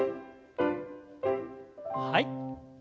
はい。